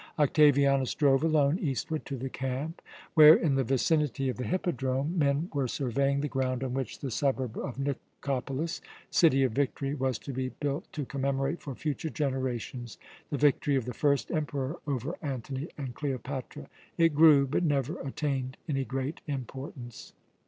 Octavianus drove alone eastward to the camp where, in the vicinity of the Hippodrome, men were surveying the ground on which the suburb of Nikopolis city of victory was to be built to commemorate for future generations the victory of the first Emperor over Antony and Cleopatra. It grew, but never attained any great importance.